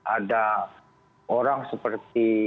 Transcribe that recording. ada orang seperti